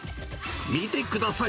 見てください。